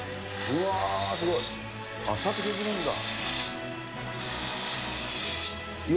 うわー、すごい。